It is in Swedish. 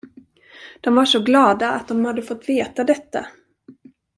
De var så glada att de hade fått veta detta.